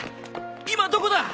今どこだ！